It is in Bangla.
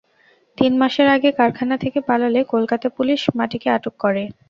তিন মাস আগে কারখানা থেকে পালালে কলকাতা পুলিশ মাটিকে আটক করে।